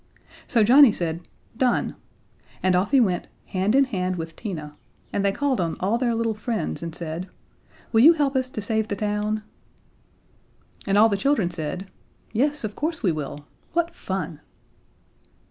So Johnnie said, "Done," and off he went, hand in hand with Tina, and they called on all their little friends and said: "Will you help us to save the town?" And all the children said: "Yes, of course we will. What fun!"